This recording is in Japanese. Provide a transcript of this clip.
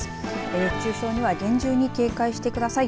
熱中症には厳重に警戒してください。